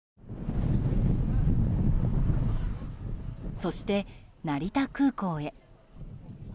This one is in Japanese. そして、成田空港へ。